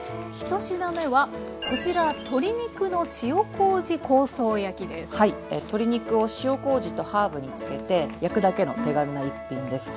１品目はこちら鶏肉を塩こうじとハーブに漬けて焼くだけの手軽な一品です。